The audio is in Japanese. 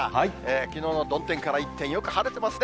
きのうの曇天から一転、よく晴れてますね。